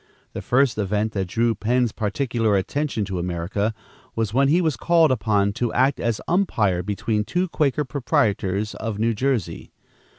The first event that drew Penn's particular attention to America was when he was called upon to act as umpire between the two Quaker proprietors of New Jersey.